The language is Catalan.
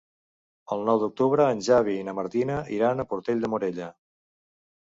El nou d'octubre en Xavi i na Martina iran a Portell de Morella.